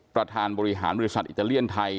ประธานบริหารบริษัทอิตาเลียนไทย